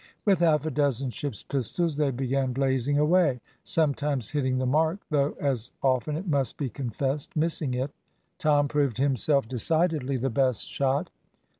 With half a dozen ship's pistols they began blazing away, sometimes hitting the mark, though as often, it must be confessed, missing it. Tom proved himself decidedly the best shot.